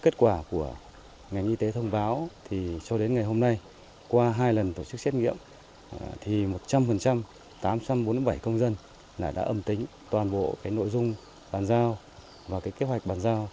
kết quả của ngành y tế thông báo cho đến ngày hôm nay qua hai lần tổ chức xét nghiệm thì một trăm linh tám trăm bốn mươi bảy công dân đã âm tính toàn bộ nội dung bàn giao và kế hoạch bàn giao